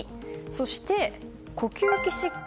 そして、呼吸器疾患。